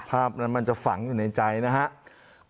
ภาพนั้นมันจะฝังอยู่ในใจนะครับ